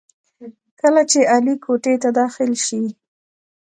کله چې علي کوټې ته داخل شي،